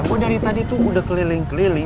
oh dari tadi tuh udah keliling keliling